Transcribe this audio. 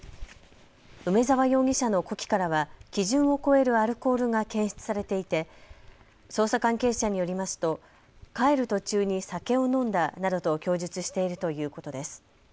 梅澤容疑者の呼気からは基準を超えるアルコールが検出されていて捜査関係者によりますと帰る途中に酒を飲んだなどと供述しているということです。